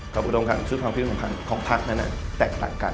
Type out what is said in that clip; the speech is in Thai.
กับอุดมการชุดความผิดของภักดิ์นั้นแตกต่างกัน